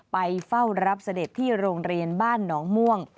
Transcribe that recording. ไปเฝ้ารับเสด็จที่โรงเรียนบ้านหนองม่วง